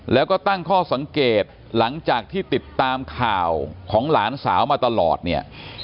แล้วก็ตั้งข้อสังเกตหลังจากที่ติดตามข่าวของหลานสาวมาตลอดเนี่ย